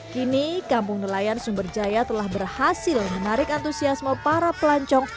kini kampung nelayan sumberjaya telah berhasil menarik antusiasme para pelancong